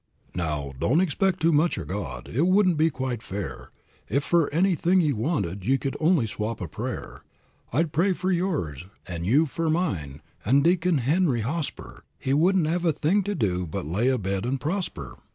"Now, don't expect too much o' God, it wouldn't be quite fair If fer anything ye wanted ye could only swap a prayer; I'd pray fer yours, an' you fer mine, an' Deacon Henry Hospur He wouldn't hev a thing t' do but lay abed an' prosper.